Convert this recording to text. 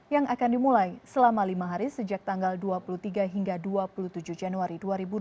yang akan dimulai selama lima hari sejak tanggal dua puluh tiga hingga dua puluh tujuh januari dua ribu dua puluh